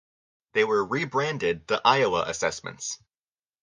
They were rebranded the Iowa Assessments.